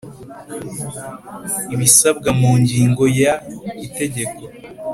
Ibisabwa mu ngingo ya y itegeko